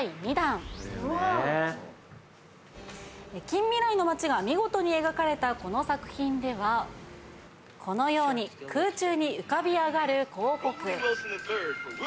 近未来の街が見事に描かれたこの作品ではこのように空中に浮かび上がる広告。